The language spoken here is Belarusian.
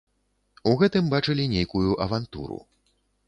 У гэтым бачылі нейкую авантуру.